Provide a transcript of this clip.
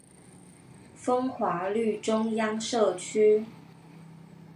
風華綠中央社區